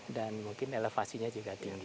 dan mungkin elevasinya juga tinggi